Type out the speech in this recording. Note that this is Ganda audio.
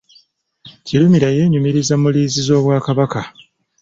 Kirumira yeenyumiriza mu liizi z’Obwakabaka.